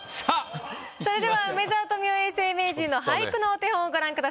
それでは梅沢富美男永世名人の俳句のお手本をご覧ください。